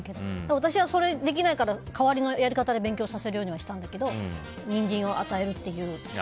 私はそれができないから代わりのやり方で勉強させるようにはしてニンジンを与えるっていう。